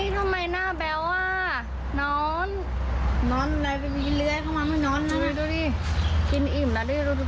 ทำไมหน้าแบ๊วนอนนอนก็เลยเข้ามาไม่นอนน่ะ